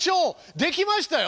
できましたよ